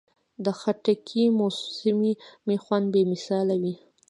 د خټکي موسمي خوند بې مثاله وي.